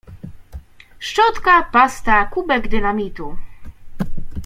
Szczotka, pasta, kubek dynamitu.